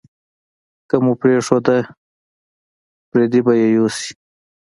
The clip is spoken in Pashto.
که مو پرېښوده، پردي به یې یوسي.